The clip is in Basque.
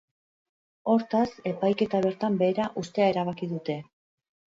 Hortaz, epaiketa bertan behera uztea erabaki dute.